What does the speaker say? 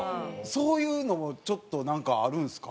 そういうのもちょっとなんかあるんですか？